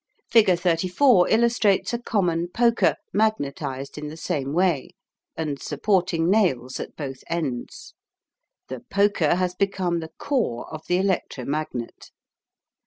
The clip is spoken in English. Figure 34 illustrates a common poker magnetised in the same way, and supporting nails at both ends. The poker has become the core of the electromagnet.